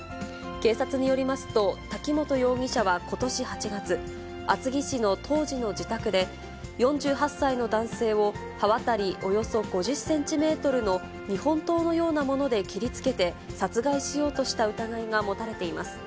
警察によりますと、滝本容疑者はことし８月、厚木市の当時の自宅で、４８歳の男性を刃渡りおよそ５０センチメートルの日本刀のようなもので切りつけて、殺害しようとした疑いが持たれています。